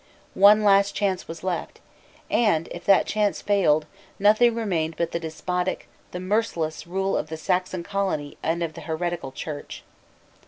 One last chance was left; and, if that chance failed, nothing remained but the despotic, the merciless, rule of the Saxon colony and of the heretical church.